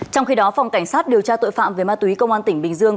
trong khi đó phòng cảnh sát điều tra tội phạm về ma túy công an tỉnh bình dương